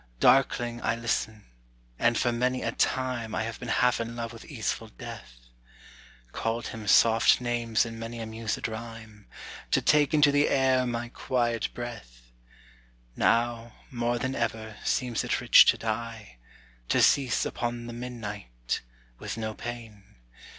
Darkling I listen; and for many a time I have been half in love with easeful Death. Called him soft names in many a musèd rhyme, To take into the air my quiet breath; Now, more than ever, seems it rich to die, To cease upon the midnight, with no pain.